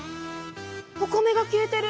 お米が消えてる⁉